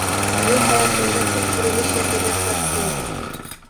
Bu hayotimda tub burilish yasagan hodisa edi